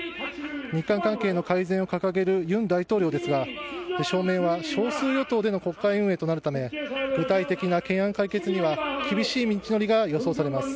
日韓関係の改善を掲げるユン大統領ですが、当面は少数与党での国会運営となるため、具体的な懸案解決には厳しい道のりが予想されます。